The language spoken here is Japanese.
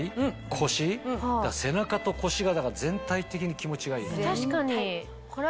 腰背中と腰が全体的に気持ちがいい。